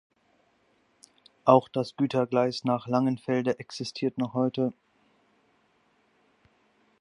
Auch das Gütergleis nach Langenfelde existiert noch heute.